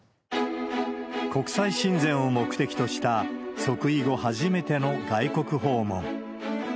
国際親善を目的とした、即位後初めての外国訪問。